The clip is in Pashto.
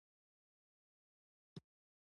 خبر نه وو چې دلته به د اور باران پیل شي